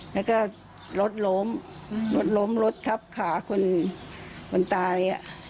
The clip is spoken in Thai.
แล้วก็รถล้มรถล้มรถทับขาคนคนตาย